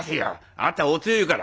あなたお強いから。